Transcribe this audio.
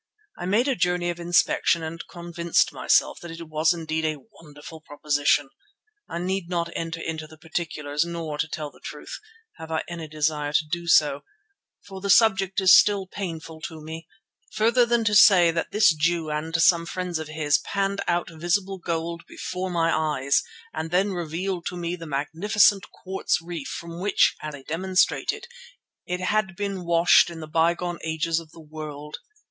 I made a journey of inspection and convinced myself that it was indeed a wonderful proposition. I need not enter into the particulars nor, to tell the truth, have I any desire to do so, for the subject is still painful to me, further than to say that this Jew and some friends of his panned out visible gold before my eyes and then revealed to me the magnificent quartz reef from which, as they demonstrated, it had been washed in the bygone ages of the world.